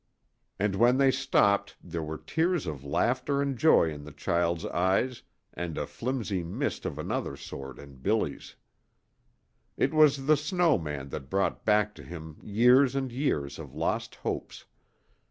And when they stopped there were tears of laughter and joy in the child's eyes and a filmy mist of another sort in Billy's. It was the snow man that brought back to him years and years of lost hopes.